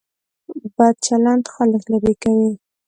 بد چلند خلک لرې کوي.